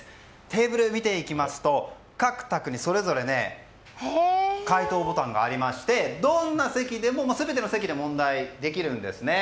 テーブルを見ていきますと各卓にそれぞれ解答ボタンがありまして全ての席で問題ができるんです。